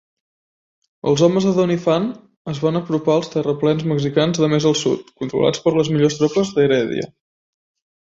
Els homes de Doniphan es van apropar als terraplens mexicans de més al sud, controlats per les millors tropes de Heredia.